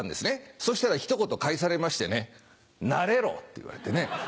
そしたらひと言返されましてね「慣れろ」って言われてね。